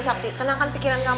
jangan lakukan pikiran kamu